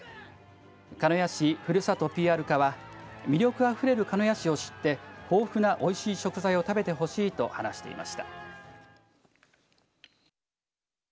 鹿屋市ふるさとＰＲ課は魅力あふれる鹿屋市を知って豊富なおいしい食材を食べてほしいと話していました。